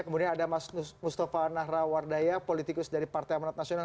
kemudian ada mas mustafa nahrawardaya politikus dari partai amanat nasional